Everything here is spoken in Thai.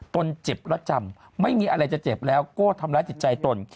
นเจ็บแล้วจำไม่มีอะไรจะเจ็บแล้วก็ทำร้ายจิตใจตน